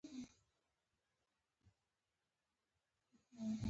نور به څه د چا په کار وي